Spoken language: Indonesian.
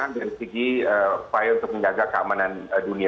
dengan segi file untuk menjaga keamanan dunia